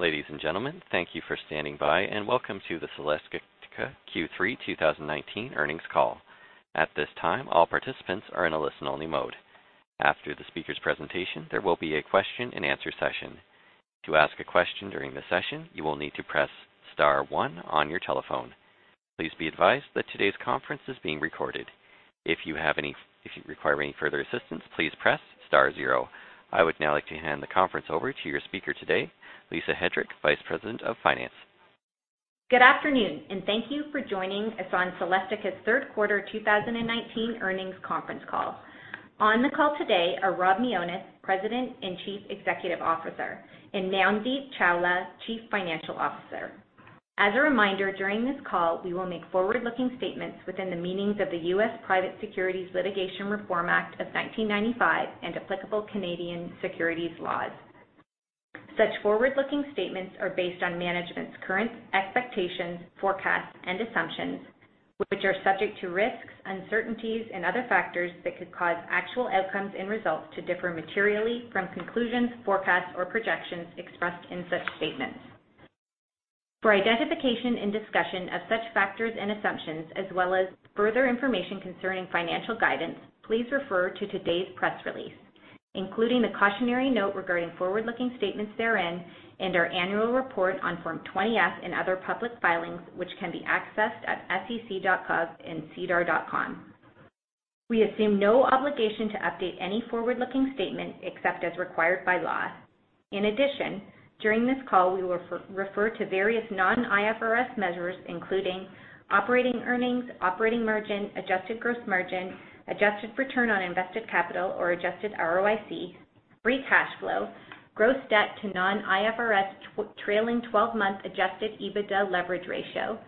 Ladies and gentlemen, thank you for standing by, and welcome to the Celestica Q3 2019 earnings call. At this time, all participants are in a listen-only mode. After the speaker's presentation, there will be a question and answer session. To ask a question during the session, you will need to press star one on your telephone. Please be advised that today's conference is being recorded. If you require any further assistance, please press star zero. I would now like to hand the conference over to your speaker today, Lisa Headrick, Vice President of Finance. Good afternoon, and thank you for joining us on Celestica's third quarter 2019 earnings conference call. On the call today are Rob Mionis, President and Chief Executive Officer, and Mandeep Chawla, Chief Financial Officer. As a reminder, during this call, we will make forward-looking statements within the meanings of the U.S. Private Securities Litigation Reform Act of 1995 and applicable Canadian securities laws. Such forward-looking statements are based on management's current expectations, forecasts, and assumptions, which are subject to risks, uncertainties and other factors that could cause actual outcomes and results to differ materially from conclusions, forecasts, or projections expressed in such statements. For identification and discussion of such factors and assumptions, as well as further information concerning financial guidance, please refer to today's press release, including the cautionary note regarding forward-looking statements therein, and our annual report on Form 20-F and other public filings which can be accessed at sec.gov and sedar.com. We assume no obligation to update any forward-looking statement except as required by law. In addition, during this call, we will refer to various non-IFRS measures, including operating earnings, operating margin, adjusted gross margin, adjusted return on invested capital or adjusted ROIC, free cash flow, gross debt to non-IFRS trailing 12-month adjusted EBITDA leverage ratio,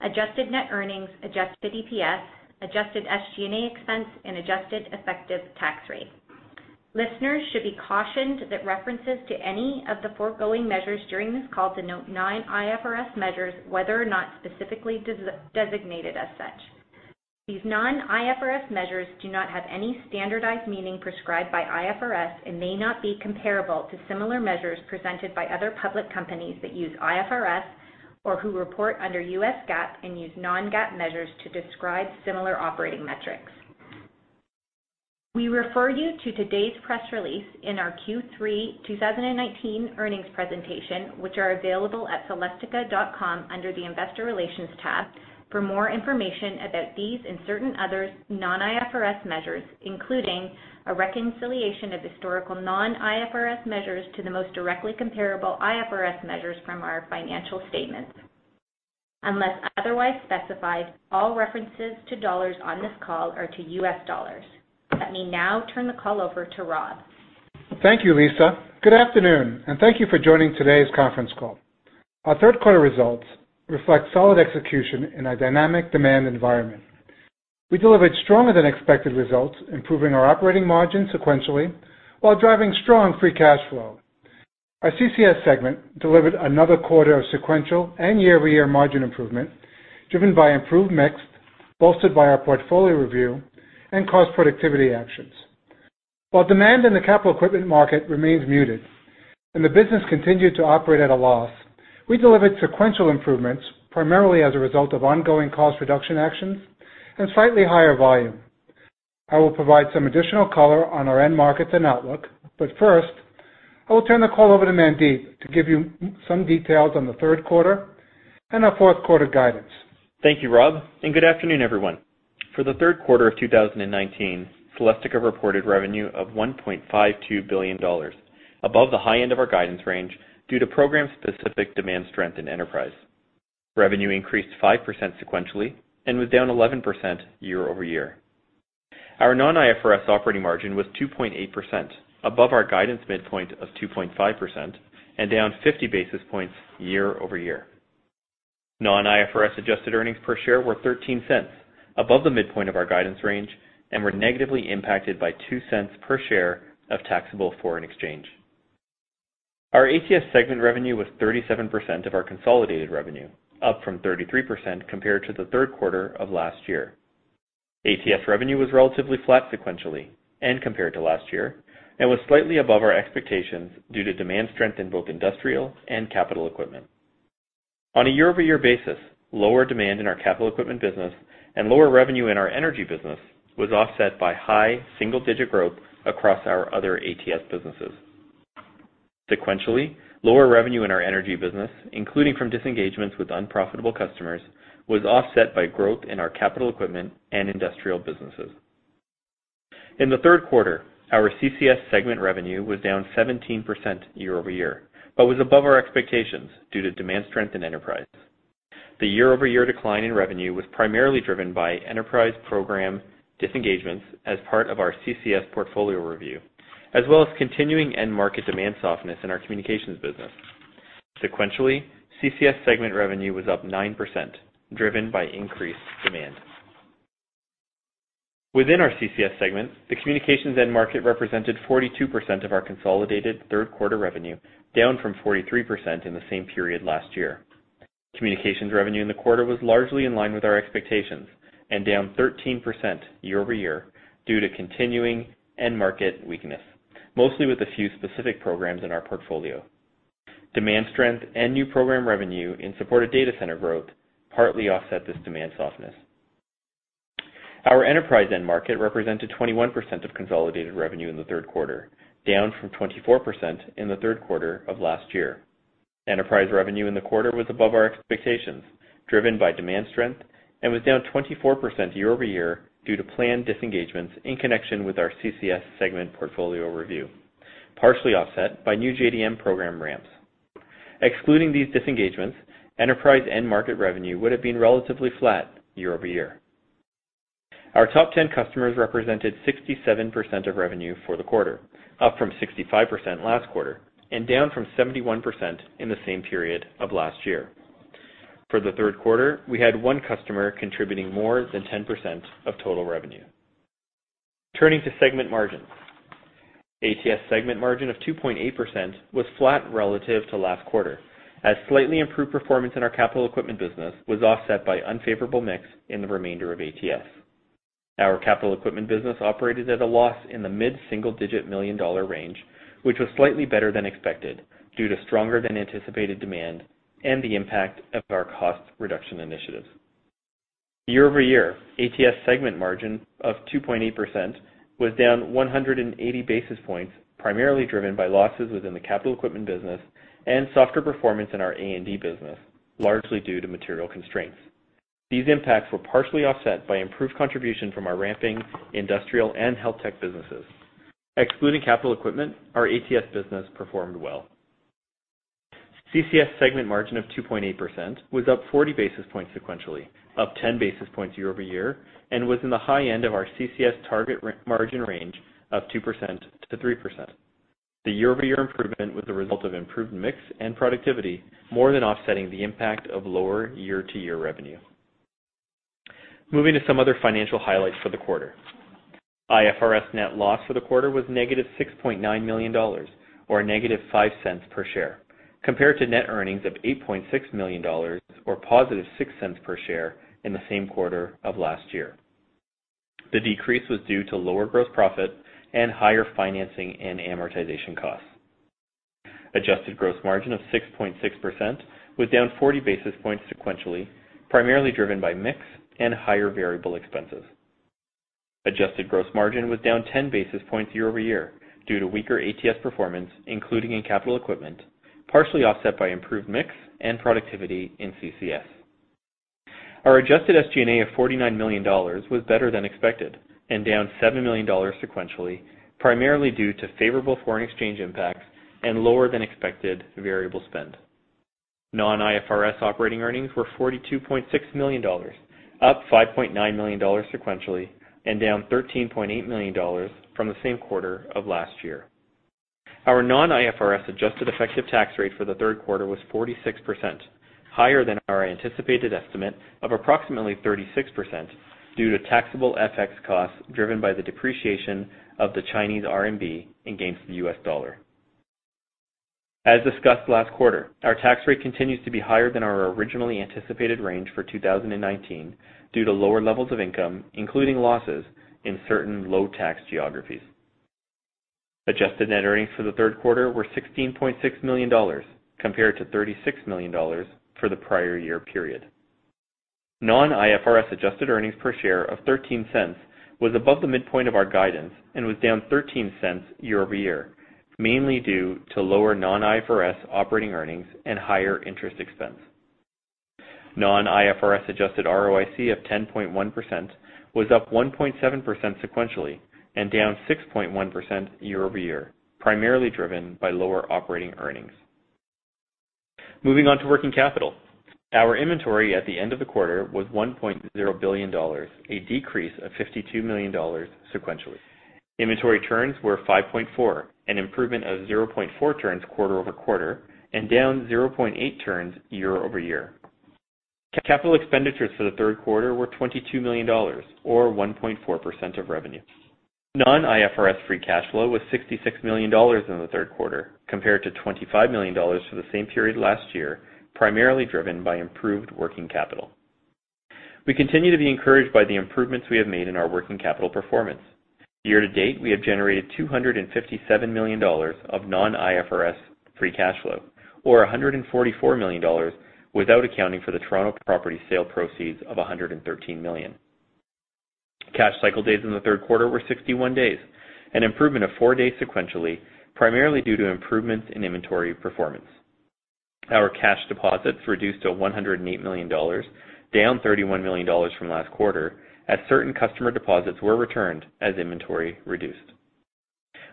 adjusted net earnings, adjusted EPS, adjusted SG&A expense, and adjusted effective tax rate. Listeners should be cautioned that references to any of the foregoing measures during this call denote non-IFRS measures, whether or not specifically designated as such. These non-IFRS measures do not have any standardized meaning prescribed by IFRS and may not be comparable to similar measures presented by other public companies that use IFRS or who report under U.S. GAAP and use non-GAAP measures to describe similar operating metrics. We refer you to today's press release in our Q3 2019 earnings presentation, which are available at celestica.com under the investor relations tab for more information about these and certain other non-IFRS measures, including a reconciliation of historical non-IFRS measures to the most directly comparable IFRS measures from our financial statements. Unless otherwise specified, all references to dollars on this call are to U.S. dollars. Let me now turn the call over to Rob. Thank you, Lisa. Good afternoon, and thank you for joining today's conference call. Our third quarter results reflect solid execution in a dynamic demand environment. We delivered stronger than expected results, improving our operating margin sequentially while driving strong free cash flow. Our CCS segment delivered another quarter of sequential and year-over-year margin improvement, driven by improved mix, bolstered by our portfolio review and cost productivity actions. While demand in the capital equipment market remains muted and the business continued to operate at a loss, we delivered sequential improvements primarily as a result of ongoing cost reduction actions and slightly higher volume. I will provide some additional color on our end markets and outlook, but first, I will turn the call over to Mandeep to give you some details on the third quarter and our fourth quarter guidance. Thank you, Rob, and good afternoon, everyone. For the third quarter of 2019, Celestica reported revenue of $1.52 billion, above the high end of our guidance range due to program-specific demand strength in enterprise. Revenue increased 5% sequentially and was down 11% year-over-year. Our non-IFRS operating margin was 2.8%, above our guidance midpoint of 2.5% and down 50 basis points year-over-year. Non-IFRS adjusted earnings per share were $0.13 above the midpoint of our guidance range and were negatively impacted by $0.02 per share of taxable foreign exchange. Our ATS segment revenue was 37% of our consolidated revenue, up from 33% compared to the third quarter of last year. ATS revenue was relatively flat sequentially and compared to last year and was slightly above our expectations due to demand strength in both industrial and capital equipment. On a year-over-year basis, lower demand in our capital equipment business and lower revenue in our energy business was offset by high single-digit growth across our other ATS businesses. Sequentially, lower revenue in our energy business, including from disengagements with unprofitable customers, was offset by growth in our capital equipment and industrial businesses. In the third quarter, our CCS segment revenue was down 17% year-over-year, but was above our expectations due to demand strength in enterprise. The year-over-year decline in revenue was primarily driven by enterprise program disengagements as part of our CCS portfolio review, as well as continuing end market demand softness in our communications business. Sequentially, CCS segment revenue was up 9%, driven by increased demand. Within our CCS segment, the communications end market represented 42% of our consolidated third quarter revenue, down from 43% in the same period last year. Communications revenue in the quarter was largely in line with our expectations and down 13% year-over-year due to continuing end market weakness, mostly with a few specific programs in our portfolio. Demand strength and new program revenue in support of data center growth partly offset this demand softness. Our enterprise end market represented 21% of consolidated revenue in the third quarter, down from 24% in the third quarter of last year. Enterprise revenue in the quarter was above our expectations, driven by demand strength, and was down 24% year-over-year due to planned disengagements in connection with our CCS segment portfolio review, partially offset by new JDM program ramps. Excluding these disengagements, enterprise end market revenue would have been relatively flat year-over-year. Our top 10 customers represented 67% of revenue for the quarter, up from 65% last quarter, and down from 71% in the same period of last year. For the third quarter, we had one customer contributing more than 10% of total revenue. Turning to segment margins. ATS segment margin of 2.8% was flat relative to last quarter, as slightly improved performance in our capital equipment business was offset by unfavorable mix in the remainder of ATS. Our capital equipment business operated at a loss in the mid-single-digit million-dollar range, which was slightly better than expected due to stronger than anticipated demand and the impact of our cost reduction initiatives. Year over year, ATS segment margin of 2.8% was down 180 basis points, primarily driven by losses within the capital equipment business and softer performance in our A&D business, largely due to material constraints. These impacts were partially offset by improved contribution from our ramping industrial and health tech businesses. Excluding capital equipment, our ATS business performed well. CCS segment margin of 2.8% was up 40 basis points sequentially, up 10 basis points year over year, and was in the high end of our CCS target margin range of 2%-3%. Moving to some other financial highlights for the quarter. IFRS net loss for the quarter was negative $6.9 million, or negative $0.05 per share, compared to net earnings of $8.6 million, or positive $0.06 per share in the same quarter of last year. The decrease was due to lower gross profit and higher financing and amortization costs. Adjusted gross margin of 6.6% was down 40 basis points sequentially, primarily driven by mix and higher variable expenses. Adjusted gross margin was down 10 basis points year-over-year due to weaker ATS performance, including in capital equipment, partially offset by improved mix and productivity in CCS. Our adjusted SG&A of $49 million was better than expected and down $7 million sequentially, primarily due to favorable foreign exchange impacts and lower than expected variable spend. Non-IFRS operating earnings were $42.6 million, up $5.9 million sequentially, and down $13.8 million from the same quarter of last year. Our non-IFRS adjusted effective tax rate for the third quarter was 46%, higher than our anticipated estimate of approximately 36% due to taxable FX costs driven by the depreciation of the Chinese RMB and gains to the U.S. dollar. As discussed last quarter, our tax rate continues to be higher than our originally anticipated range for 2019 due to lower levels of income, including losses in certain low tax geographies. Adjusted net earnings for the third quarter were $16.6 million, compared to $36 million for the prior year period. Non-IFRS adjusted earnings per share of $0.13 was above the midpoint of our guidance and was down $0.13 year-over-year, mainly due to lower non-IFRS operating earnings and higher interest expense. Non-IFRS adjusted ROIC of 10.1% was up 1.7% sequentially and down 6.1% year-over-year, primarily driven by lower operating earnings. Moving on to working capital. Our inventory at the end of the quarter was $1.0 billion, a decrease of $52 million sequentially. Inventory turns were 5.4, an improvement of 0.4 turns quarter-over-quarter, and down 0.8 turns year-over-year. Capital expenditures for the third quarter were $22 million, or 1.4% of revenue. Non-IFRS free cash flow was $66 million in the third quarter, compared to $25 million for the same period last year, primarily driven by improved working capital. Year-to-date, we have generated $257 million of non-IFRS free cash flow, or $144 million without accounting for the Toronto property sale proceeds of $113 million. Cash cycle days in the third quarter were 61 days, an improvement of four days sequentially, primarily due to improvements in inventory performance. Our cash deposits reduced to $108 million, down $31 million from last quarter, as certain customer deposits were returned as inventory reduced.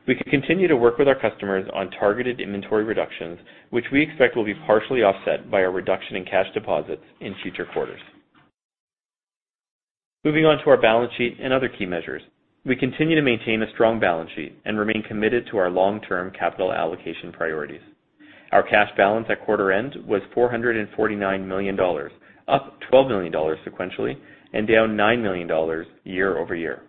We continue to work with our customers on targeted inventory reductions, which we expect will be partially offset by a reduction in cash deposits in future quarters. Moving on to our balance sheet and other key measures. We continue to maintain a strong balance sheet and remain committed to our long-term capital allocation priorities. Our cash balance at quarter end was $449 million, up $12 million sequentially and down $9 million year-over-year.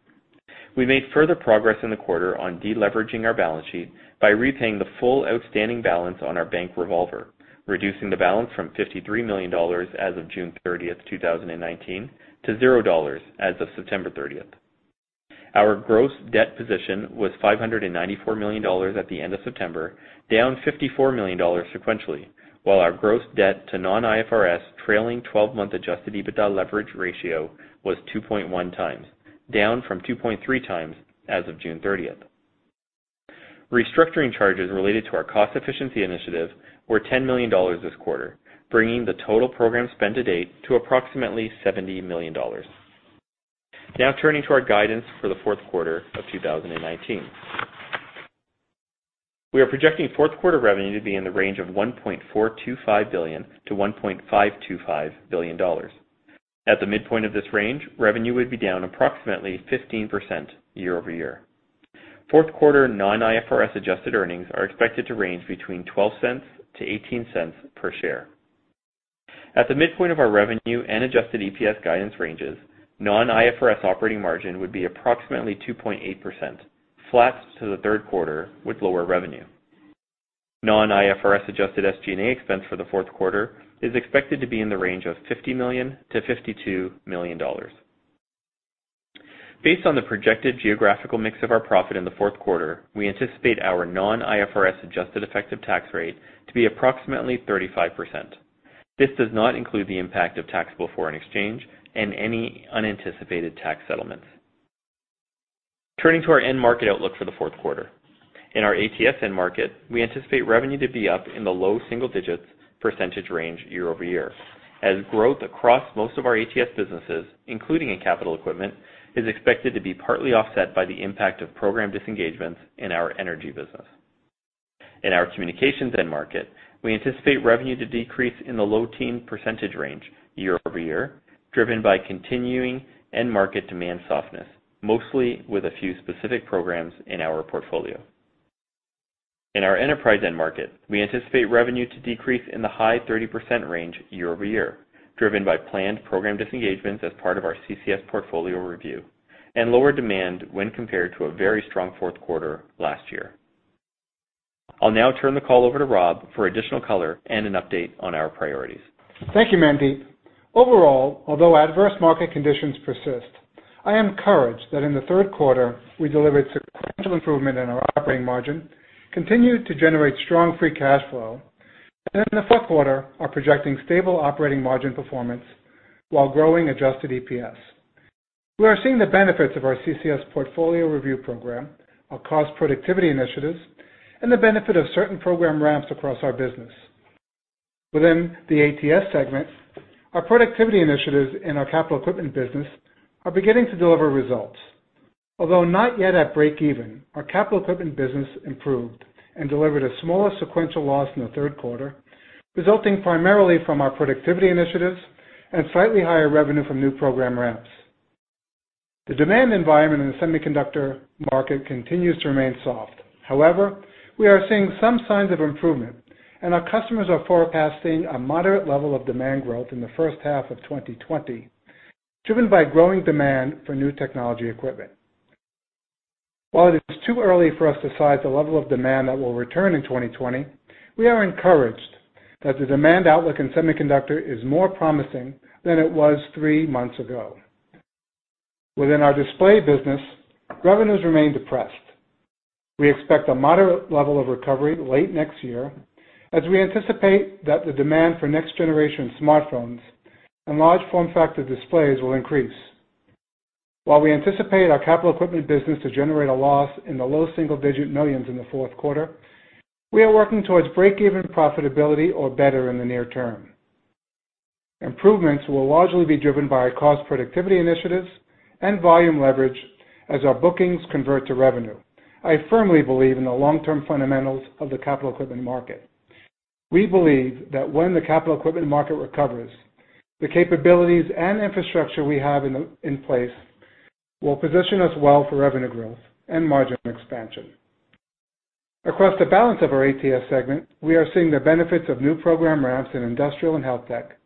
We made further progress in the quarter on deleveraging our balance sheet by repaying the full outstanding balance on our bank revolver, reducing the balance from $53 million as of June 30th, 2019 to $0 as of September 30th. Our gross debt position was $594 million at the end of September, down $54 million sequentially, while our gross debt to non-IFRS trailing 12-month adjusted EBITDA leverage ratio was 2.1 times, down from 2.3 times as of June 30th. Restructuring charges related to our cost efficiency initiative were $10 million this quarter, bringing the total program spend to date to approximately $70 million. Turning to our guidance for the fourth quarter of 2019. We are projecting fourth quarter revenue to be in the range of $1.425 billion to $1.525 billion. At the midpoint of this range, revenue would be down approximately 15% year-over-year. Fourth quarter non-IFRS adjusted earnings are expected to range between $0.12 to $0.18 per share. At the midpoint of our revenue and adjusted EPS guidance ranges, non-IFRS operating margin would be approximately 2.8%, flat to the third quarter with lower revenue. Non-IFRS adjusted SG&A expense for the fourth quarter is expected to be in the range of $50 million-$52 million. Based on the projected geographical mix of our profit in the fourth quarter, we anticipate our non-IFRS adjusted effective tax rate to be approximately 35%. This does not include the impact of taxable foreign exchange and any unanticipated tax settlements. Turning to our end market outlook for the fourth quarter. In our ATS end market, we anticipate revenue to be up in the low single digits % range year-over-year, as growth across most of our ATS businesses, including in capital equipment, is expected to be partly offset by the impact of program disengagements in our energy business. In our communications end market, we anticipate revenue to decrease in the low teen % range year-over-year, driven by continuing end market demand softness, mostly with a few specific programs in our portfolio. In our enterprise end market, we anticipate revenue to decrease in the high 30% range year-over-year, driven by planned program disengagements as part of our CCS portfolio review and lower demand when compared to a very strong fourth quarter last year. I'll now turn the call over to Rob for additional color and an update on our priorities. Thank you, Mandeep. Overall, although adverse market conditions persist, I am encouraged that in the third quarter, we delivered sequential improvement in our operating margin, continued to generate strong free cash flow, and in the fourth quarter, are projecting stable operating margin performance while growing adjusted EPS. We are seeing the benefits of our CCS portfolio review program, our cost productivity initiatives, and the benefit of certain program ramps across our business. Within the ATS segment, our productivity initiatives in our capital equipment business are beginning to deliver results. Although not yet at break even, our capital equipment business improved and delivered a smaller sequential loss in the third quarter, resulting primarily from our productivity initiatives and slightly higher revenue from new program ramps. The demand environment in the semiconductor market continues to remain soft. However, we are seeing some signs of improvement, and our customers are forecasting a moderate level of demand growth in the first half of 2020, driven by growing demand for new technology equipment. While it is too early for us to size the level of demand that will return in 2020, we are encouraged that the demand outlook in semiconductor is more promising than it was three months ago. Within our display business, revenues remain depressed. We expect a moderate level of recovery late next year as we anticipate that the demand for next-generation smartphones and large form factor displays will increase. While we anticipate our capital equipment business to generate a loss in the low single-digit millions in the fourth quarter, we are working towards break-even profitability or better in the near term. Improvements will largely be driven by our cost productivity initiatives and volume leverage as our bookings convert to revenue. I firmly believe in the long-term fundamentals of the capital equipment market. We believe that when the capital equipment market recovers, the capabilities and infrastructure we have in place will position us well for revenue growth and margin expansion. Across the balance of our ATS segment, we are seeing the benefits of new program ramps in industrial and health tech,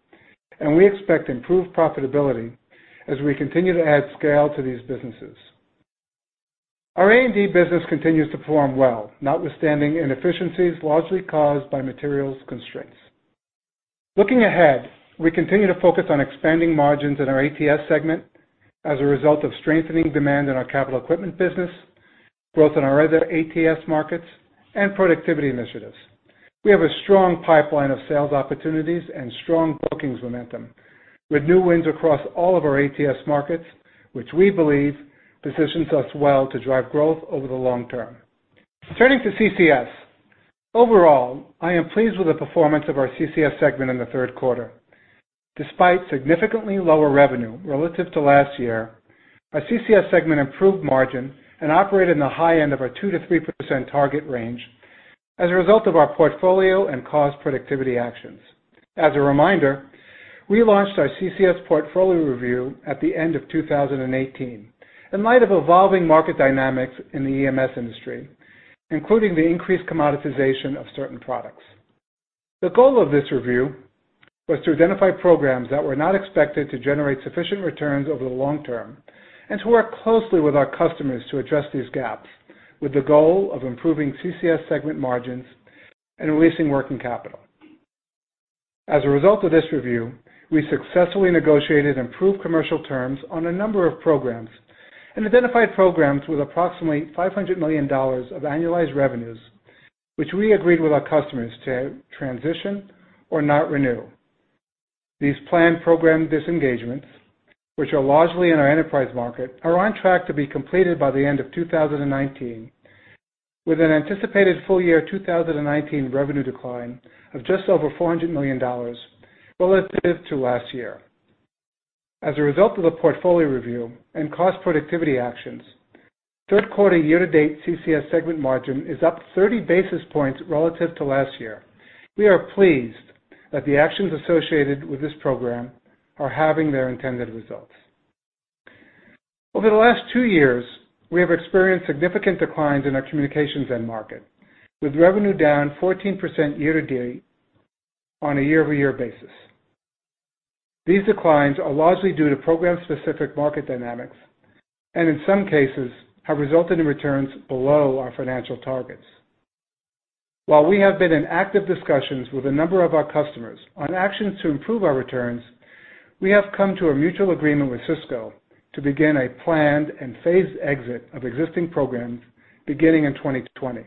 and we expect improved profitability as we continue to add scale to these businesses. Our A&D business continues to perform well, notwithstanding inefficiencies largely caused by materials constraints. Looking ahead, we continue to focus on expanding margins in our ATS segment as a result of strengthening demand in our capital equipment business, growth in our other ATS markets, and productivity initiatives. We have a strong pipeline of sales opportunities and strong bookings momentum with new wins across all of our ATS markets, which we believe positions us well to drive growth over the long term. Turning to CCS. Overall, I am pleased with the performance of our CCS segment in the third quarter. Despite significantly lower revenue relative to last year, our CCS segment improved margin and operated in the high end of our 2%-3% target range as a result of our portfolio and cost productivity actions. As a reminder, we launched our CCS portfolio review at the end of 2018 in light of evolving market dynamics in the EMS industry, including the increased commoditization of certain products. The goal of this review was to identify programs that were not expected to generate sufficient returns over the long term and to work closely with our customers to address these gaps, with the goal of improving CCS segment margins and releasing working capital. As a result of this review, we successfully negotiated improved commercial terms on a number of programs and identified programs with approximately $500 million of annualized revenues, which we agreed with our customers to transition or not renew. These planned program disengagements, which are largely in our enterprise market, are on track to be completed by the end of 2019, with an anticipated full-year 2019 revenue decline of just over $400 million relative to last year. As a result of the portfolio review and cost productivity actions, third quarter year-to-date CCS segment margin is up 30 basis points relative to last year. We are pleased that the actions associated with this program are having their intended results. Over the last two years, we have experienced significant declines in our communications end market, with revenue down 14% year-to-date on a year-over-year basis. These declines are largely due to program-specific market dynamics, and in some cases, have resulted in returns below our financial targets. While we have been in active discussions with a number of our customers on actions to improve our returns, we have come to a mutual agreement with Cisco to begin a planned and phased exit of existing programs beginning in 2020.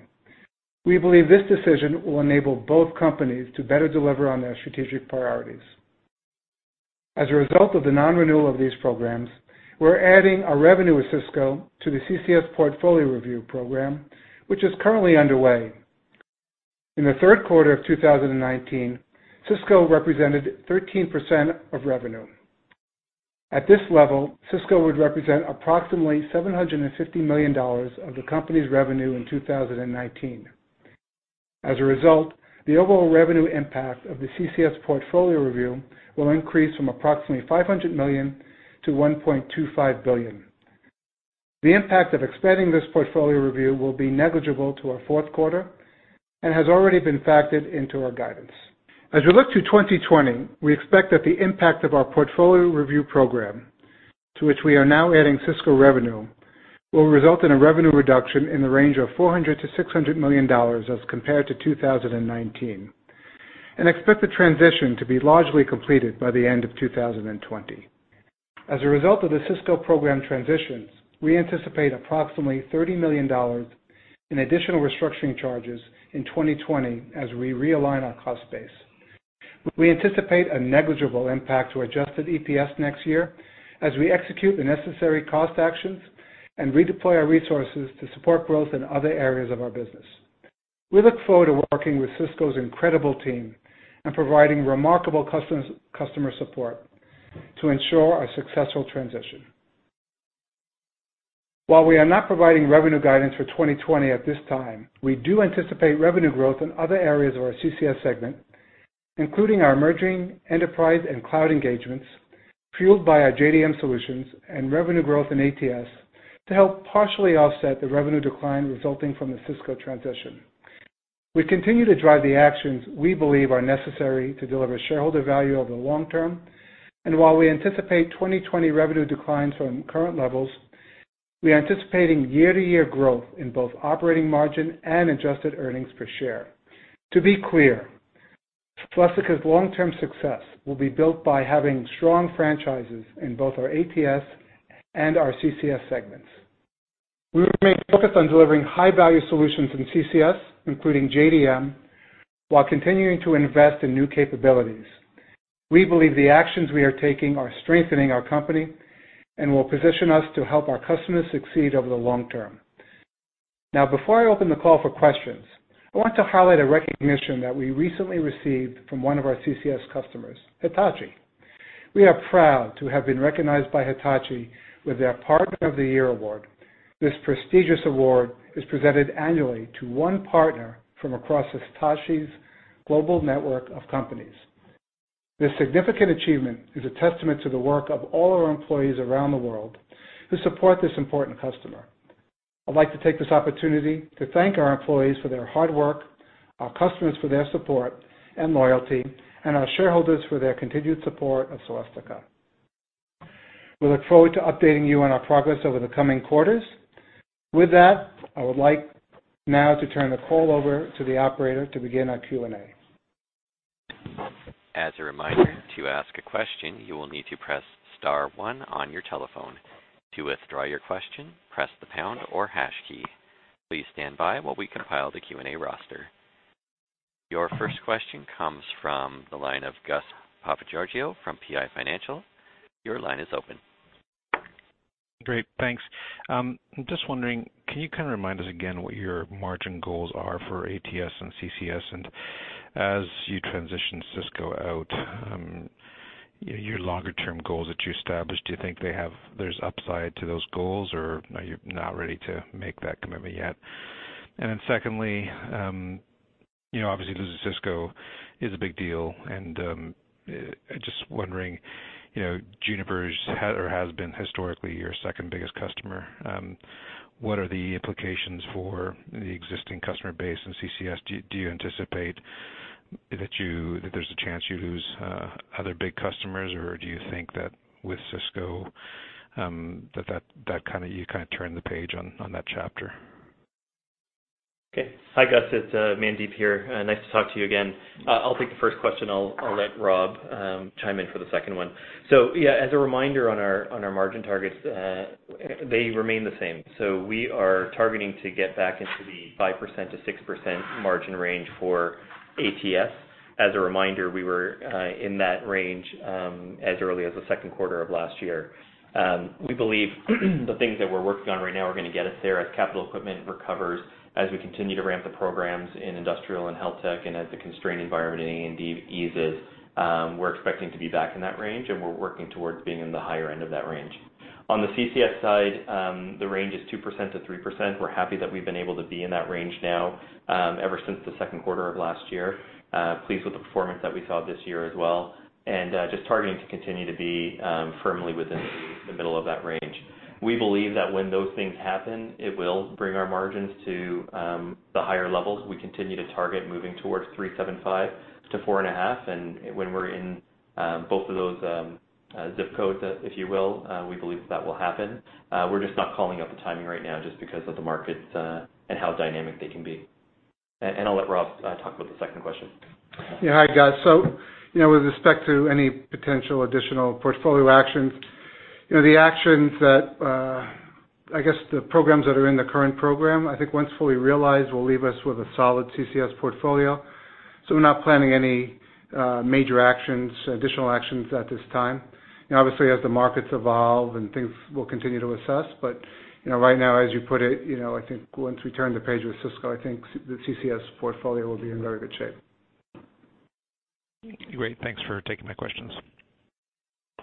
We believe this decision will enable both companies to better deliver on their strategic priorities. As a result of the non-renewal of these programs, we're adding our revenue with Cisco to the CCS Portfolio Review Program, which is currently underway. In the third quarter of 2019, Cisco represented 13% of revenue. At this level, Cisco would represent approximately $750 million of the company's revenue in 2019. As a result, the overall revenue impact of the CCS Portfolio Review will increase from approximately $500 million-$1.25 billion. The impact of expanding this Portfolio Review will be negligible to our fourth quarter and has already been factored into our guidance. As we look to 2020, we expect that the impact of our Portfolio Review Program, to which we are now adding Cisco revenue, will result in a revenue reduction in the range of $400 million-$600 million as compared to 2019, and expect the transition to be largely completed by the end of 2020. As a result of the Cisco program transitions, we anticipate approximately $30 million in additional restructuring charges in 2020 as we realign our cost base. We anticipate a negligible impact to adjusted EPS next year as we execute the necessary cost actions and redeploy our resources to support growth in other areas of our business. We look forward to working with Cisco's incredible team and providing remarkable customer support to ensure a successful transition. While we are not providing revenue guidance for 2020 at this time, we do anticipate revenue growth in other areas of our CCS segment, including our emerging enterprise and cloud engagements, fueled by our JDM solutions and revenue growth in ATS to help partially offset the revenue decline resulting from the Cisco transition. We continue to drive the actions we believe are necessary to deliver shareholder value over the long term. While we anticipate 2020 revenue declines from current levels, we are anticipating year-over-year growth in both operating margin and adjusted earnings per share. To be clear, Celestica's long-term success will be built by having strong franchises in both our ATS and our CCS Segments. We remain focused on delivering high-value solutions in CCS, including JDM, while continuing to invest in new capabilities. We believe the actions we are taking are strengthening our company and will position us to help our customers succeed over the long term. Before I open the call for questions, I want to highlight a recognition that we recently received from one of our CCS customers, Hitachi. We are proud to have been recognized by Hitachi with their Partner of the Year Award. This prestigious award is presented annually to one partner from across Hitachi's global network of companies. This significant achievement is a testament to the work of all our employees around the world who support this important customer. I'd like to take this opportunity to thank our employees for their hard work, our customers for their support and loyalty, and our shareholders for their continued support of Celestica. We look forward to updating you on our progress over the coming quarters. I would like now to turn the call over to the operator to begin our Q&A. As a reminder, to ask a question, you will need to press star one on your telephone. To withdraw your question, press the pound or hash key. Please stand by while we compile the Q&A roster. Your first question comes from the line of Gus Papageorgiou from PI Financial. Your line is open. Great. Thanks. I'm just wondering, can you kind of remind us again what your margin goals are for ATS and CCS? As you transition Cisco out, your longer-term goals that you established, do you think there's upside to those goals, or are you not ready to make that commitment yet? Secondly, obviously losing Cisco is a big deal, and I'm just wondering, Juniper has been historically your second-biggest customer. What are the implications for the existing customer base and CCS? Do you anticipate that there's a chance you lose other big customers, or do you think that with Cisco, that you turned the page on that chapter? Hi, Gus, it's Mandeep here. Nice to talk to you again. I'll take the first question. I'll let Rob chime in for the second one. As a reminder on our margin targets, they remain the same. We are targeting to get back into the 5%-6% margin range for ATS. As a reminder, we were in that range, as early as the second quarter of last year. We believe the things that we're working on right now are going to get us there as capital equipment recovers, as we continue to ramp the programs in industrial and health tech, and as the constrained environment in A&D eases. We're expecting to be back in that range, and we're working towards being in the higher end of that range. On the CCS side, the range is 2%-3%. We're happy that we've been able to be in that range now, ever since the second quarter of last year. Pleased with the performance that we saw this year as well, just targeting to continue to be firmly within the middle of that range. We believe that when those things happen, it will bring our margins to the higher levels. We continue to target moving towards 3.75% to 4.5%, when we're in both of those zip codes, if you will, we believe that will happen. We're just not calling out the timing right now just because of the markets, and how dynamic they can be. I'll let Rob talk about the second question. Hi, Gus. With respect to any potential additional portfolio actions, the actions that, I guess the programs that are in the current program, I think once fully realized, will leave us with a solid CCS portfolio. We're not planning any major actions, additional actions at this time. Obviously, as the markets evolve and things, we'll continue to assess. Right now, as you put it, I think once we turn the page with Cisco, I think the CCS portfolio will be in very good shape. Great. Thanks for taking my questions.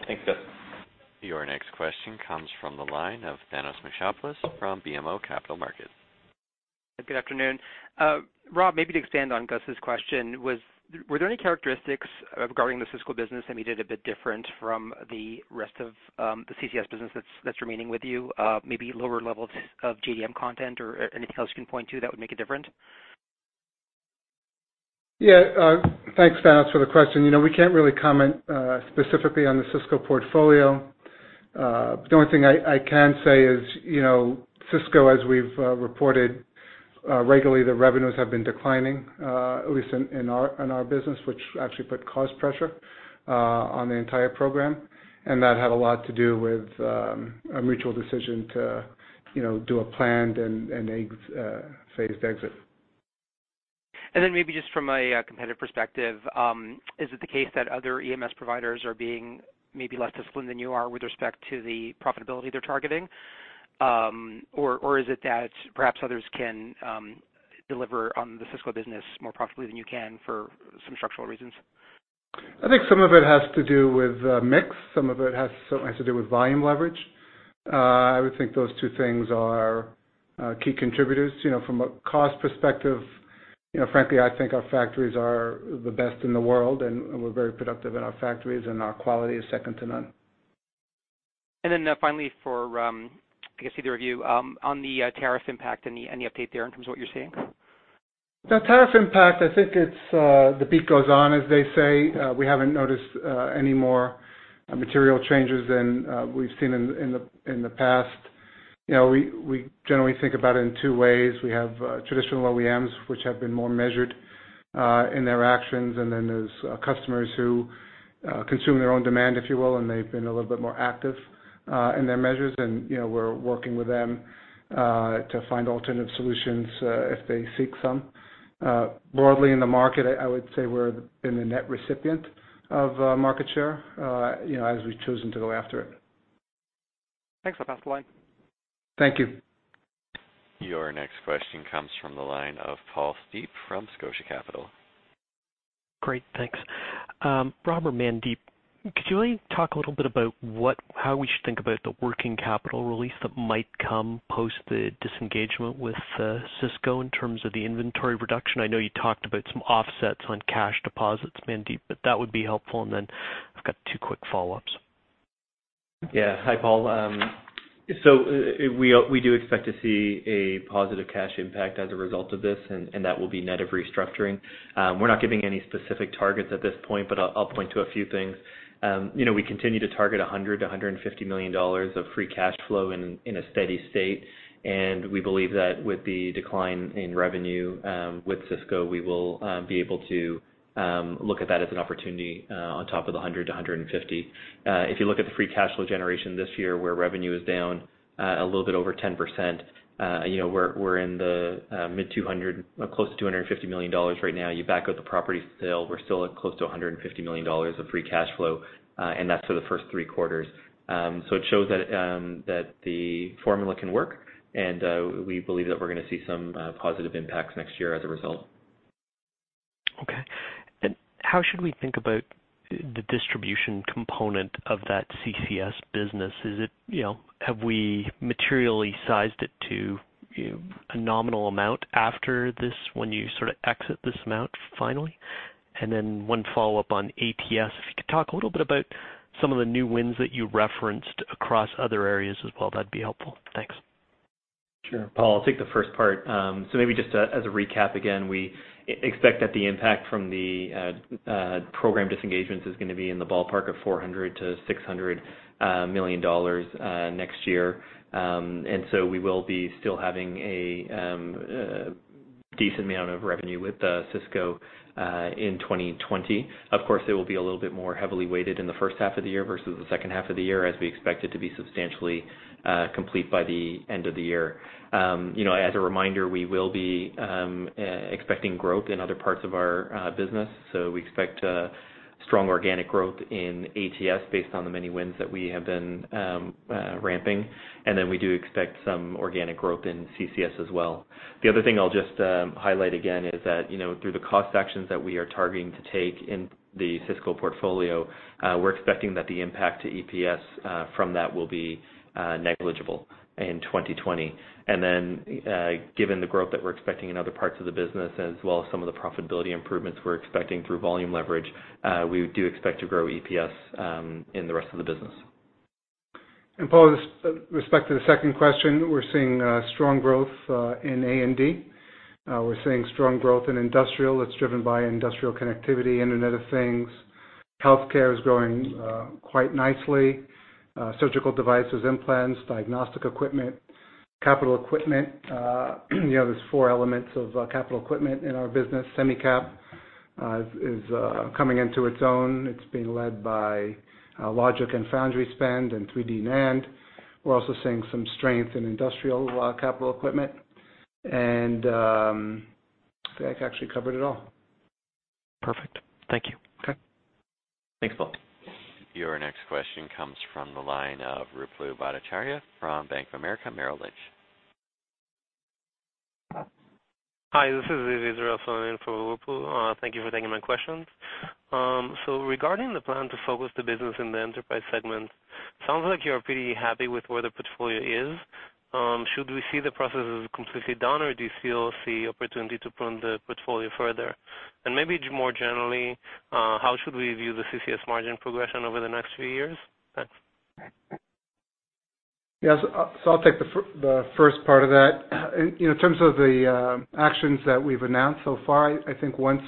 Thanks, Gus. Your next question comes from the line of Thanos Moschopoulos from BMO Capital Markets. Good afternoon. Rob, maybe to expand on Gus's question, were there any characteristics regarding the Cisco business that made it a bit different from the rest of the CCS business that's remaining with you? Maybe lower levels of JDM content or anything else you can point to that would make it different? Yeah. Thanks, Thanos, for the question. We can't really comment specifically on the Cisco portfolio. The only thing I can say is, Cisco, as we've reported regularly, the revenues have been declining, at least in our business, which actually put cost pressure on the entire program. That had a lot to do with a mutual decision to do a planned and phased exit. Maybe just from a competitive perspective, is it the case that other EMS providers are being maybe less disciplined than you are with respect to the profitability they're targeting? Or is it that perhaps others can deliver on the Cisco business more profitably than you can for some structural reasons? I think some of it has to do with mix, some of it has to do with volume leverage. I would think those two things are key contributors. From a cost perspective, frankly, I think our factories are the best in the world, and we're very productive in our factories, and our quality is second to none. Finally for, I guess, either of you, on the tariff impact, any update there in terms of what you're seeing? The tariff impact, I think it's the beat goes on, as they say. We haven't noticed any more material changes than we've seen in the past. We generally think about it in two ways. We have traditional OEMs, which have been more measured in their actions, and then there's customers who consume their own demand, if you will, and they've been a little bit more active in their measures. We're working with them to find alternative solutions if they seek some. Broadly in the market, I would say we've been the net recipient of market share, as we've chosen to go after it. Thanks. I'll pass the line. Thank you. Your next question comes from the line of Paul Treiber from RBC Capital Markets. Great, thanks. Rob or Mandeep, could you maybe talk a little bit about how we should think about the working capital release that might come post the disengagement with Cisco in terms of the inventory reduction? I know you talked about some offsets on cash deposits, Mandeep, but that would be helpful. I've got two quick follow-ups. Hi, Paul. We do expect to see a positive cash impact as a result of this, and that will be net of restructuring. We're not giving any specific targets at this point, I'll point to a few things. We continue to target $100 million-$150 million of free cash flow in a steady state, we believe that with the decline in revenue with Cisco, we will be able to look at that as an opportunity on top of the $100 million-$150 million. If you look at the free cash flow generation this year, where revenue is down a little bit over 10%, we're in the mid $200 million, close to $250 million right now. You back out the property sale, we're still at close to $150 million of free cash flow, that's for the first three quarters. It shows that the formula can work, and we believe that we're going to see some positive impacts next year as a result. Okay. How should we think about the distribution component of that CCS business? Have we materially sized it to a nominal amount after this when you sort of exit this amount finally? One follow-up on ATS. If you could talk a little bit about some of the new wins that you referenced across other areas as well, that'd be helpful. Thanks. Sure. Paul, I'll take the first part. Maybe just as a recap again, we expect that the impact from the program disengagements is going to be in the ballpark of $400 million-$600 million next year. We will be still having a decent amount of revenue with Cisco in 2020. Of course, it will be a little bit more heavily weighted in the first half of the year versus the second half of the year, as we expect it to be substantially complete by the end of the year. As a reminder, we will be expecting growth in other parts of our business. We expect strong organic growth in ATS based on the many wins that we have been ramping. We do expect some organic growth in CCS as well. The other thing I'll just highlight again is that through the cost actions that we are targeting to take in the Cisco portfolio, we're expecting that the impact to EPS from that will be negligible in 2020. Given the growth that we're expecting in other parts of the business, as well as some of the profitability improvements we're expecting through volume leverage, we do expect to grow EPS in the rest of the business. Paul, with respect to the second question, we're seeing strong growth in A&D. We're seeing strong growth in industrial that's driven by industrial connectivity, Internet of Things. Healthcare is growing quite nicely. Surgical devices, implants, diagnostic equipment, capital equipment. There's four elements of capital equipment in our business. semi-cap is coming into its own. It's being led by logic and foundry spend and 3D NAND. We're also seeing some strength in industrial capital equipment. I think I actually covered it all. Perfect. Thank you. Okay. Thanks, Paul. Your next question comes from the line of Ruplu Bhattacharya from Bank of America Merrill Lynch. Hi, this is Israel filling in for Ruplu. Thank you for taking my questions. Regarding the plan to focus the business in the enterprise segment, sounds like you're pretty happy with where the portfolio is. Should we see the processes completely done, or do you still see opportunity to prune the portfolio further? Maybe more generally, how should we view the CCS margin progression over the next few years? Thanks. Yeah. I'll take the first part of that. In terms of the actions that we've announced so far, I think once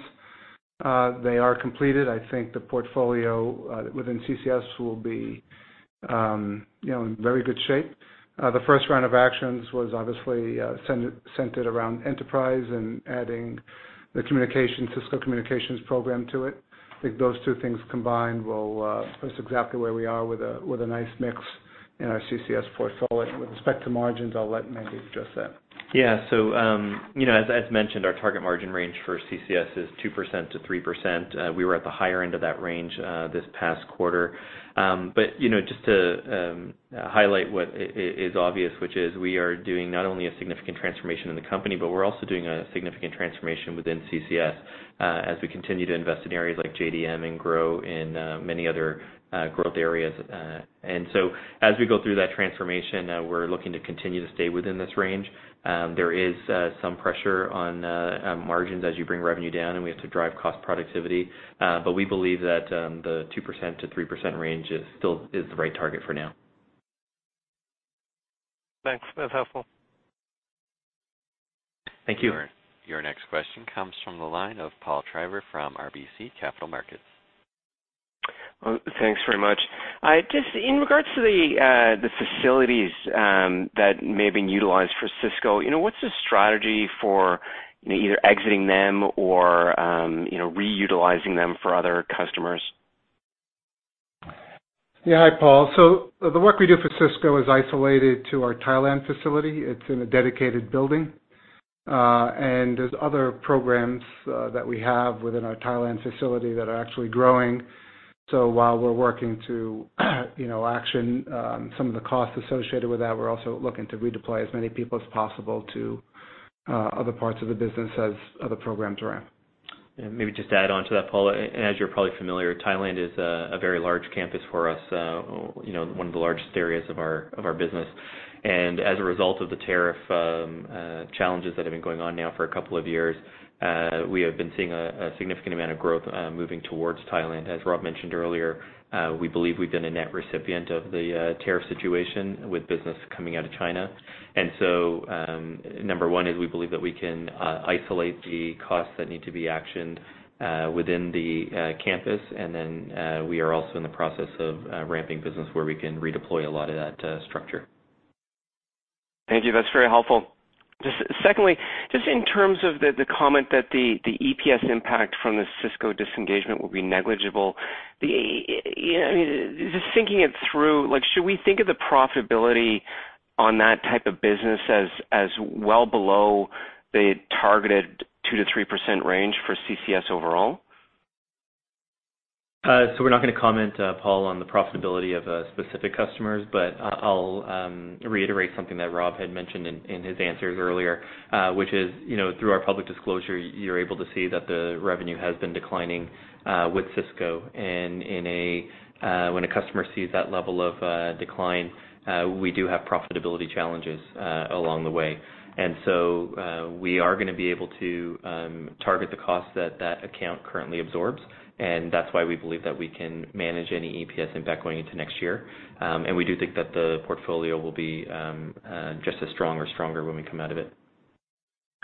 they are completed, I think the portfolio within CCS will be in very good shape. The first round of actions was obviously centered around enterprise and adding the Cisco Communications program to it. I think those two things combined will put us exactly where we are with a nice mix in our CCS portfolio. With respect to margins, I'll let Mangi address that. Yeah. As mentioned, our target margin range for CCS is 2%-3%. We were at the higher end of that range this past quarter. Just to highlight what is obvious, which is we are doing not only a significant transformation in the company, but we're also doing a significant transformation within CCS as we continue to invest in areas like JDM and grow in many other growth areas. As we go through that transformation, we're looking to continue to stay within this range. There is some pressure on margins as you bring revenue down, and we have to drive cost productivity. We believe that the 2%-3% range still is the right target for now. Thanks. That's helpful. Thank you. Your next question comes from the line of Paul Treiber from RBC Capital Markets. Thanks very much. Just in regards to the facilities that may have been utilized for Cisco, what's the strategy for either exiting them or reutilizing them for other customers? Hi, Paul. The work we do for Cisco is isolated to our Thailand facility. It's in a dedicated building. There's other programs that we have within our Thailand facility that are actually growing. While we're working to action some of the costs associated with that, we're also looking to redeploy as many people as possible to other parts of the business as other programs ramp. Maybe just to add onto that, Paul, as you're probably familiar, Thailand is a very large campus for us, one of the largest areas of our business. As a result of the tariff challenges that have been going on now for a couple of years, we have been seeing a significant amount of growth moving towards Thailand. As Rob mentioned earlier, we believe we've been a net recipient of the tariff situation with business coming out of China. So number 1 is we believe that we can isolate the costs that need to be actioned within the campus, and then we are also in the process of ramping business where we can redeploy a lot of that structure. Thank you. That's very helpful. Secondly, just in terms of the comment that the EPS impact from the Cisco disengagement will be negligible. Thinking it through, should we think of the profitability on that type of business as well below the targeted 2%-3% range for CCS overall? We're not going to comment, Paul, on the profitability of specific customers, but I'll reiterate something that Rob had mentioned in his answers earlier, which is through our public disclosure, you're able to see that the revenue has been declining with Cisco. When a customer sees that level of decline, we do have profitability challenges along the way. We are going to be able to target the cost that that account currently absorbs, and that's why we believe that we can manage any EPS impact going into next year. We do think that the portfolio will be just as strong or stronger when we come out of it.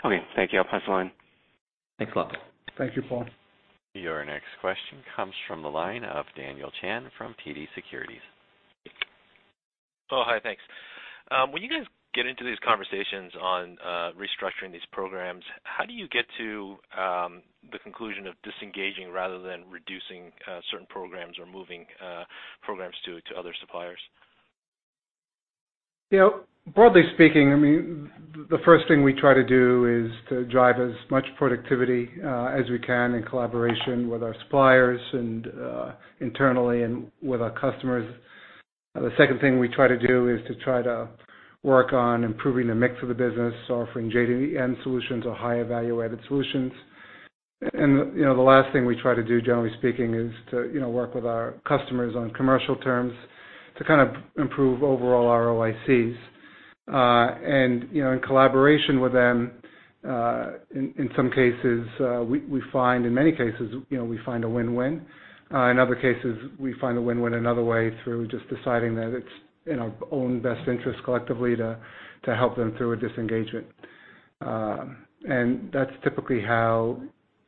Okay, thank you. I'll pass the line. Thanks, Paul. Thank you, Paul. Your next question comes from the line of Daniel Chan from TD Securities. Hi, thanks. When you guys get into these conversations on restructuring these programs, how do you get to the conclusion of disengaging rather than reducing certain programs or moving programs to other suppliers? Broadly speaking, the first thing we try to do is to drive as much productivity as we can in collaboration with our suppliers and internally and with our customers. The second thing we try to do is to try to work on improving the mix of the business, offering JDM solutions or higher value-added solutions. The last thing we try to do, generally speaking, is to work with our customers on commercial terms to kind of improve overall ROICs. In collaboration with them, in many cases, we find a win-win. In other cases, we find a win-win another way through just deciding that it's in our own best interest collectively to help them through a disengagement. That's typically how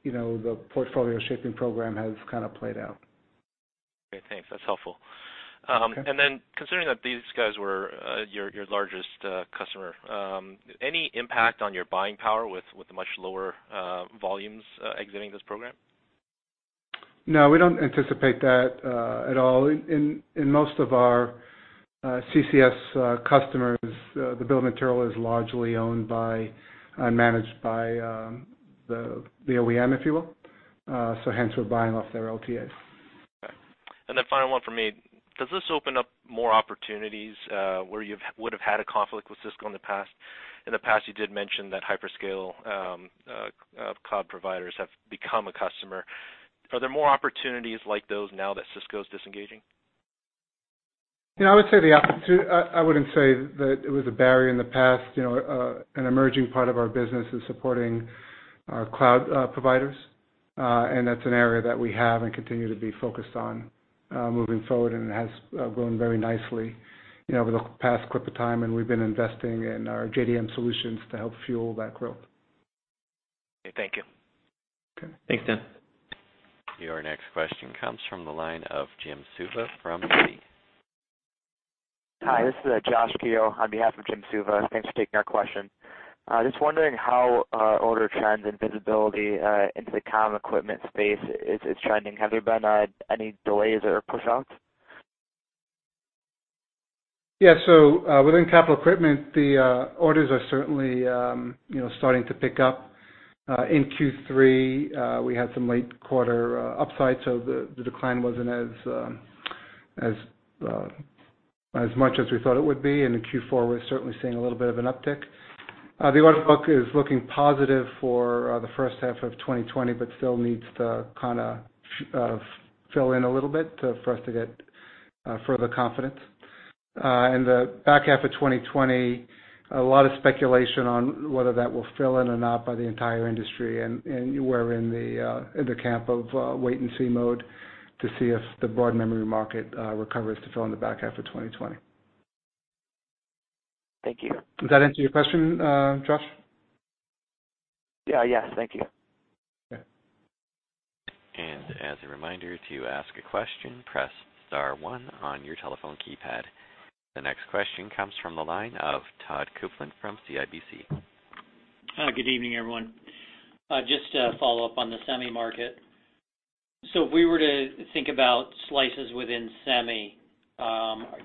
the portfolio shaping program has kind of played out. Great. Thanks. That's helpful. Okay. Considering that these guys were your largest customer, any impact on your buying power with the much lower volumes exiting this program? No, we don't anticipate that at all. In most of our CCS customers, the bill of material is largely owned by and managed by the OEM, if you will. Hence, we're buying off their LTAs. Okay. Final one from me. Does this open up more opportunities where you would've had a conflict with Cisco in the past? In the past, you did mention that hyperscale cloud providers have become a customer. Are there more opportunities like those now that Cisco's disengaging? I wouldn't say that it was a barrier in the past. An emerging part of our business is supporting our cloud providers. That's an area that we have and continue to be focused on moving forward, and it has grown very nicely over the past clip of time, and we've been investing in our JDM solutions to help fuel that growth. Okay, thank you. Okay. Thanks, Dan. Your next question comes from the line of Jim Suva from Citi. Hi, this is Josh Keough on behalf of Jim Suva. Thanks for taking our question. Just wondering how order trends and visibility into the comm equipment space is trending. Have there been any delays or pushouts? Yeah. Within capital equipment, the orders are certainly starting to pick up. In Q3, we had some late quarter upsides, the decline wasn't as much as we thought it would be. In Q4, we're certainly seeing a little bit of an uptick. The order book is looking positive for the first half of 2020, still needs to kind of fill in a little bit for us to get further confidence. In the back half of 2020, a lot of speculation on whether that will fill in or not by the entire industry, we're in the camp of wait-and-see mode to see if the broad memory market recovers to fill in the back half of 2020. Thank you. Does that answer your question, Josh? Yeah. Thank you. Okay. As a reminder, to ask a question, press star one on your telephone keypad. The next question comes from the line of Todd Coupland from CIBC. Good evening, everyone. Just to follow up on the semi market. If we were to think about slices within semi,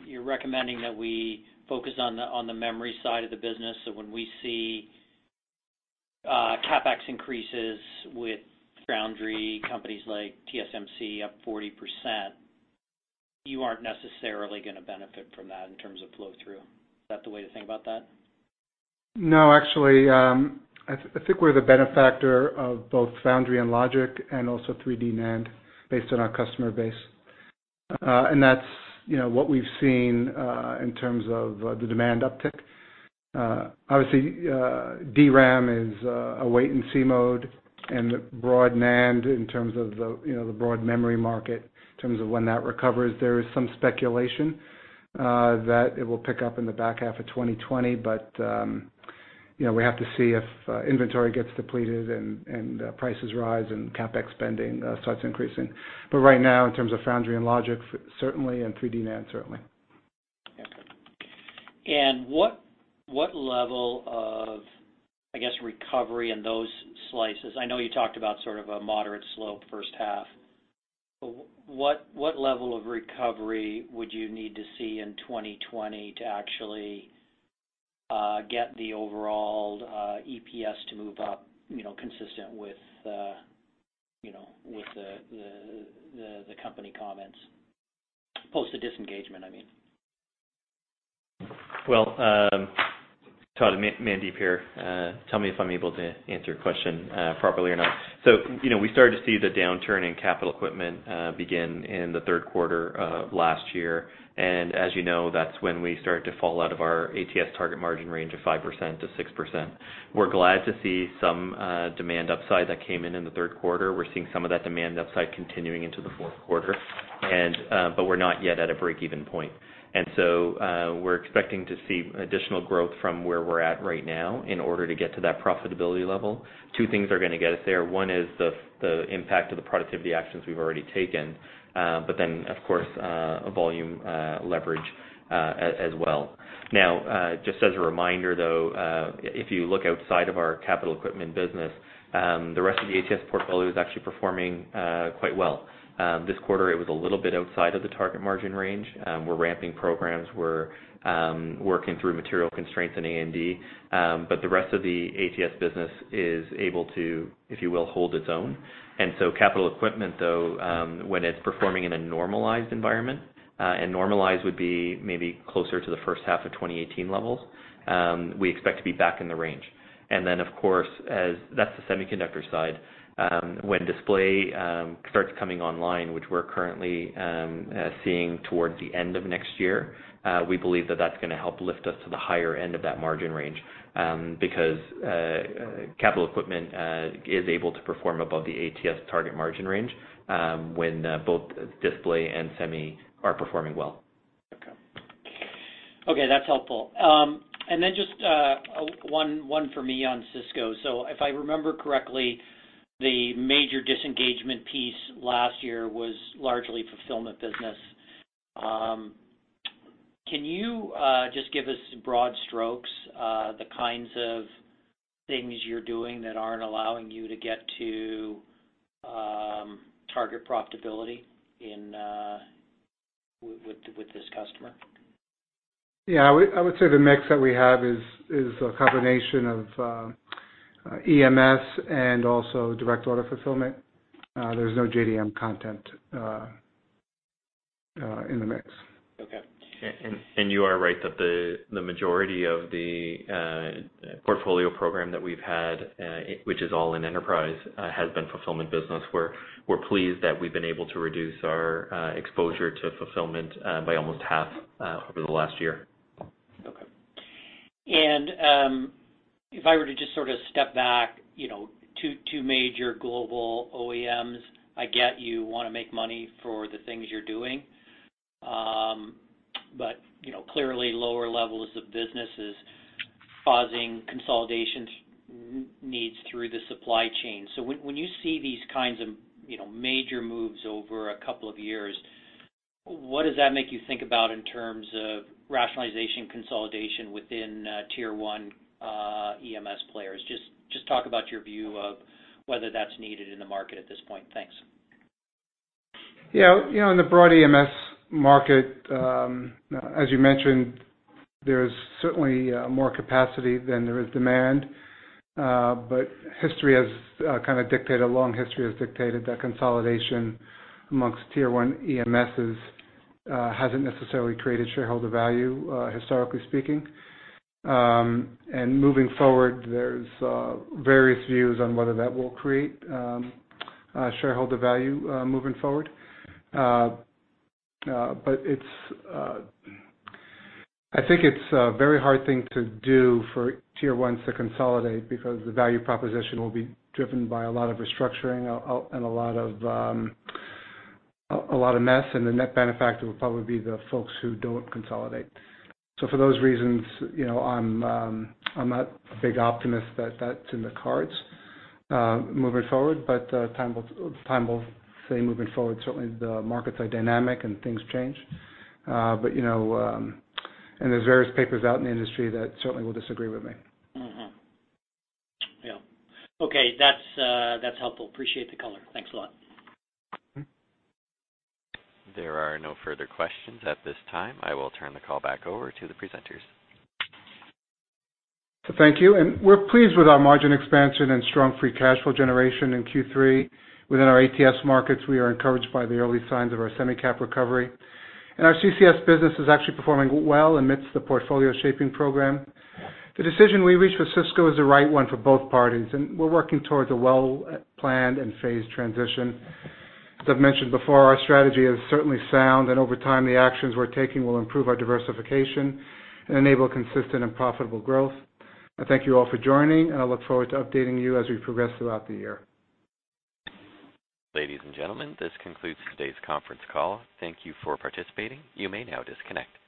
you're recommending that we focus on the memory side of the business, when we see CapEx increases with foundry companies like TSMC up 40%, you aren't necessarily going to benefit from that in terms of flow-through. Is that the way to think about that? No, actually, I think we're the benefactor of both foundry and logic and also 3D NAND based on our customer base. That's what we've seen in terms of the demand uptick. Obviously, DRAM is a wait-and-see mode and the broad NAND in terms of the broad memory market, in terms of when that recovers, there is some speculation that it will pick up in the back half of 2020. We have to see if inventory gets depleted and prices rise and CapEx spending starts increasing. Right now, in terms of foundry and logic, certainly, and 3D NAND, certainly. Okay. What level of, I guess, recovery in those slices, I know you talked about sort of a moderate slope first half, what level of recovery would you need to see in 2020 to actually get the overall EPS to move up consistent with the company comments? Post the disengagement, I mean. Todd, Mandeep here. Tell me if I'm able to answer your question properly or not. We started to see the downturn in capital equipment begin in the third quarter of last year. As you know, that's when we started to fall out of our ATS target margin range of 5%-6%. We're glad to see some demand upside that came in in the third quarter. We're seeing some of that demand upside continuing into the fourth quarter. We're not yet at a break-even point. We're expecting to see additional growth from where we're at right now in order to get to that profitability level. Two things are going to get us there. One is the impact of the productivity actions we've already taken, of course, a volume leverage, as well. Now, just as a reminder, though, if you look outside of our capital equipment business, the rest of the ATS portfolio is actually performing quite well. This quarter, it was a little bit outside of the target margin range. We're ramping programs. We're working through material constraints in A&D, but the rest of the ATS business is able to, if you will, hold its own. Capital equipment, though, when it's performing in a normalized environment, and normalized would be maybe closer to the first half of 2018 levels, we expect to be back in the range. Then, of course, that's the semiconductor side. When display starts coming online, which we're currently seeing towards the end of next year, we believe that that's going to help lift us to the higher end of that margin range, because capital equipment is able to perform above the ATS target margin range when both display and semi are performing well. Okay. That's helpful. Just one for me on Cisco. If I remember correctly, the major disengagement piece last year was largely fulfillment business. Can you just give us broad strokes, the kinds of things you're doing that aren't allowing you to get to target profitability with this customer? Yeah. I would say the mix that we have is a combination of EMS and also direct order fulfillment. There's no JDM content in the mix. Okay. You are right that the majority of the portfolio program that we've had, which is all in enterprise, has been fulfillment business. We're pleased that we've been able to reduce our exposure to fulfillment by almost half over the last one year. Okay. If I were to just sort of step back, two major global OEMs, I get you want to make money for the things you're doing. Clearly lower levels of business is causing consolidation needs through the supply chain. When you see these kinds of major moves over a couple of years, what does that make you think about in terms of rationalization consolidation within tier 1 EMS players? Just talk about your view of whether that's needed in the market at this point. Thanks. Yeah. In the broad EMS market, as you mentioned, there's certainly more capacity than there is demand. History has kind of dictated, a long history has dictated that consolidation amongst tier 1 EMSs hasn't necessarily created shareholder value, historically speaking. Moving forward, there's various views on whether that will create shareholder value moving forward. I think it's a very hard thing to do for tier 1s to consolidate, because the value proposition will be driven by a lot of restructuring and a lot of mess, and the net benefactor will probably be the folks who don't consolidate. For those reasons, I'm not a big optimist that that's in the cards moving forward, but time will say moving forward. Certainly, the markets are dynamic and things change. There's various papers out in the industry that certainly will disagree with me. Yeah. Okay, that's helpful. Appreciate the color. Thanks a lot. There are no further questions at this time. I will turn the call back over to the presenters. Thank you. We're pleased with our margin expansion and strong free cash flow generation in Q3. Within our ATS markets, we are encouraged by the early signs of our semi-cap recovery. Our CCS business is actually performing well amidst the portfolio shaping program. The decision we reached with Cisco is the right one for both parties, and we're working towards a well-planned and phased transition. As I've mentioned before, our strategy is certainly sound, and over time, the actions we're taking will improve our diversification and enable consistent and profitable growth. I thank you all for joining, and I look forward to updating you as we progress throughout the year. Ladies and gentlemen, this concludes today's conference call. Thank you for participating. You may now disconnect.